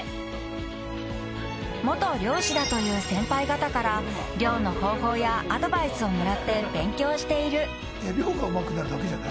［元漁師だという先輩方から漁の方法やアドバイスをもらって勉強している］